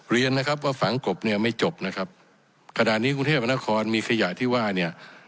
เรียนนะครับว่าฝังกบเนี่ยไม่จบนะครับขณะนี้กรุงเทพนครมีขยะที่ว่าเนี่ย